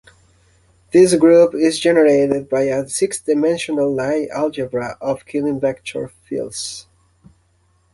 This group is generated by a six-dimensional Lie algebra of Killing vector fields.